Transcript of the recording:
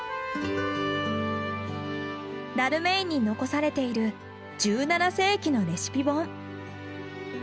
ダルメインに残されている１７世紀のレシピ本。